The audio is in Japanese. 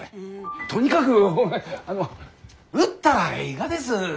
とにかく売ったらえいがです！